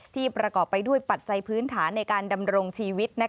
ประกอบไปด้วยปัจจัยพื้นฐานในการดำรงชีวิต